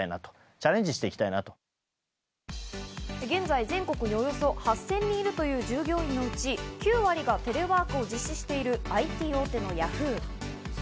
現在全国におよそ８０００人いるという従業員のうち９割がテレワークを実施しているＩＴ大手のヤフー。